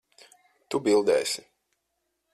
Tu bildēsi.